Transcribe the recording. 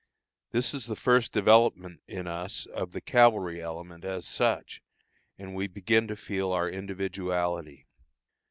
This is the first development in us of the cavalry element as such, and we begin to feel our individuality.